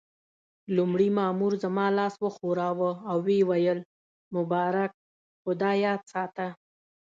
لومړي مامور زما لاس وښوراوه او ويې ویل: مبارک، خو دا یاد ساته.